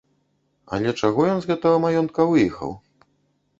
Але чаго ён з гэтага маёнтка выехаў?